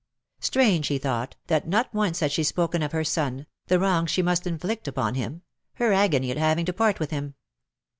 Strange, he thought^ that not once had she spoken of her son, the wrong she must inflict upon him, her agony at having to part with him.